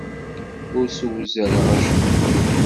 Ur ssewzaleɣ acemma.